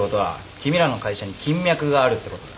君らの会社に金脈があるってことだ。